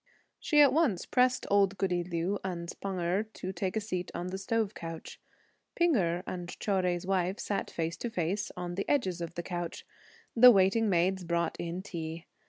She at once pressed old goody Liu and Pan Erh to take a seat on the stove couch. P'ing Erh and Chou Jui's wife sat face to face, on the edges of the couch. The waiting maids brought the tea.